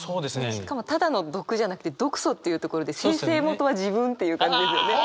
しかもただの毒じゃなくて「毒素」っていうところで生成元は自分っていう感じですよね。